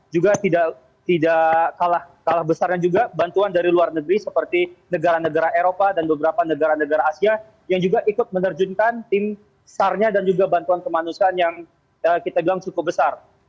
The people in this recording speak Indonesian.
juga tidak kalah kalah besarnya juga bantuan dari luar negeri seperti negara negara eropa dan beberapa negara negara asia yang juga ikut menerjunkan tim sarnya dan juga bantuan kemanusiaan yang kita bilang cukup besar